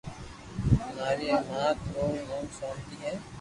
ماري مات ارو نوم سونتي ھي